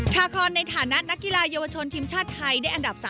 ทัคคอนในฐานะนักกีฬายำวชนทีมชาติไทย